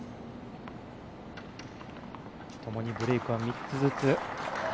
ともにブレークは３つずつ。